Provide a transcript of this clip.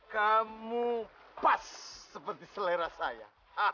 kamu pas seperti selera saya